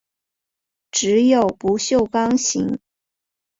只有不锈钢型。